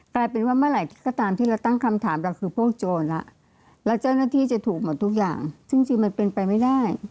กลายเป็นว่าเมื่อไหร่ก็ตามที่เราตั้งคำถามเราคือพวกโจรแล้วแล้วเจ้าหน้าที่จะถูกหมดทุกอย่างจริงมันเป็นไปไม่ได้